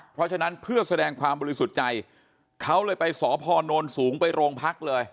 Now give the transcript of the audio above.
เพราะฉะนั้นเพื่อแสดงความบริสุทธิ์ใจเขาเลยไปสพนสูงไปโรงพักเลย